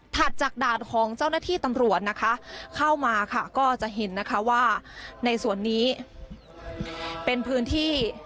จากด่านของเจ้าหน้าที่ตำรวจนะคะเข้ามาค่ะก็จะเห็นนะคะว่าในส่วนนี้เป็นพื้นที่